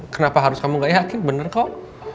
kenapa harus kamu nggak yakin bener kok